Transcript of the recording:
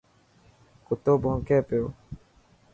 ڪتو ڀونڪي پيو.